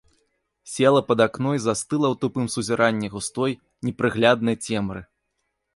Села пад акно і застыла ў тупым сузіранні густой, непрагляднай цемры.